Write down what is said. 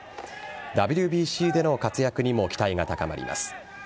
ＷＢＣでの活躍にも期待が高まります。